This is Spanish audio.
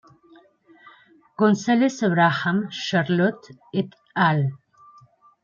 González- Abraham, Charlotte et al.